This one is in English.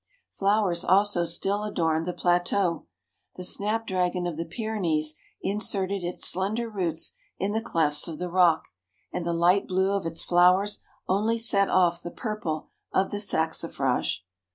Flowers also still adorned the plateau. The snap¬ dragon of the Pyrenees inserted its slender roots in the clefts of the rock, and the light blue of its flowers THE PIC DU MIDI. 115 only set off the purple of the saxifrage.